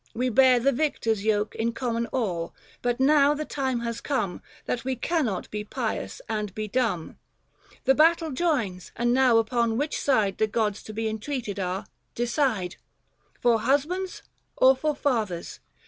We bear the Victor's yoke In common all ; but now the time has come 220 That we cannot be pious and be dumb. The battle joins, and now upon which side The gods to be entreated are, decide — For Husbands or for Fathers